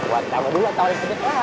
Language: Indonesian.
buat kamu dulu tahu di sedekah